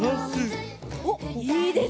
おっいいですね。